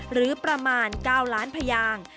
หรือประมาณ๙ล้านพยาง